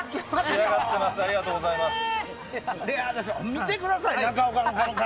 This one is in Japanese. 見てください、中岡のこの体。